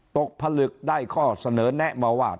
ผลึกได้ข้อเสนอแนะมาว่า